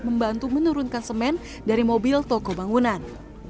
membantu menurunkan semen dari mobil toko bangunan